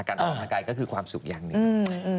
การออกกำลังกายก็คือความสุขอย่างหนึ่ง